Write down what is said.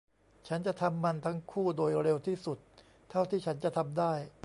ฉันจะทำมันทั้งคู่โดยเร็วที่สุดเท่าที่ฉันจะทำได้